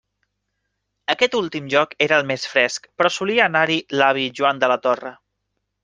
Aquest últim lloc era el més fresc, però solia anar-hi l'avi Joan de la Torre.